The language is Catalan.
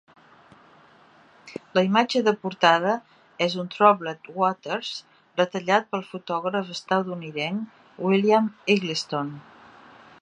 La imatge de portada és un "Troubled Waters" retallat pel fotògraf estatunidenc William Eggleston.